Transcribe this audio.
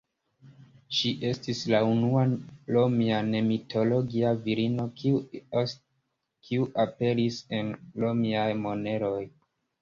Ŝi estis la unua Romia ne-mitologia virino kiu aperis en Romiaj moneroj.